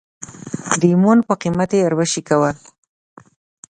د ایمان په قیمت یې راوشکول.